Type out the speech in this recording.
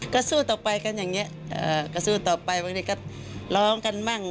ก็สู้ต่อไปกันอย่างนี้ก็สู้ต่อไปบางทีก็ร้องกันมั่ง